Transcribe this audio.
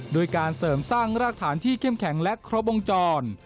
ด้วยการเสริมสร้างรากฐานที่เข้มแข็งและครบวงจร